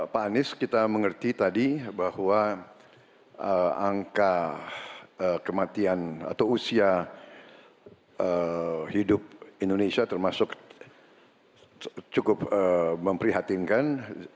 pak anies kita mengerti tadi bahwa angka kematian atau usia hidup indonesia termasuk cukup memprihatinkan